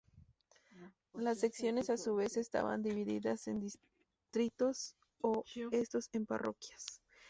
Las secciones a su vez estaban divididas en distritos y estos en parroquias.